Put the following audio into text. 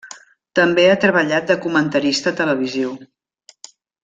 També ha treballat de comentarista televisiu.